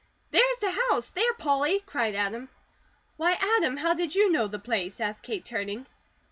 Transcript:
"There's the house, there, Polly!" cried Adam. "Why, Adam, how did you know the place?" asked Kate, turning.